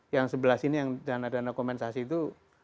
yang sebelah sini dana kompensasi itu